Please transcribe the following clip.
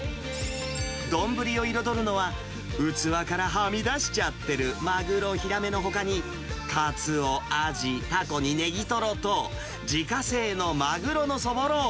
丼を彩るのは、器からはみ出しちゃってるマグロ、ヒラメのほかに、カツオ、アジ、タコにネギトロと、自家製のマグロのそぼろ。